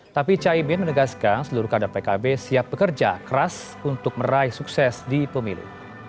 tapi caimin menegaskan seluruh kader pkb siap bekerja keras untuk meraih sukses di pemilu